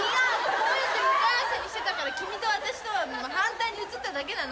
こう向かい合わせにしてたから君と私とは反対に映っただけなの！